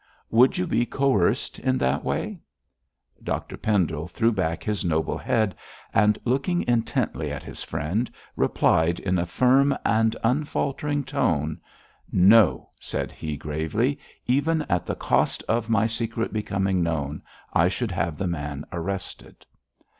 'Would you be coerced in that way?' Dr Pendle threw back his noble head, and, looking intently at his friend, replied in a firm and unfaltering tone. 'No,' said he, gravely. 'Even at the cost of my secret becoming known, I should have the man arrested.'